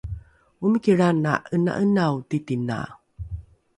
omiki lrana ’ena’enao titina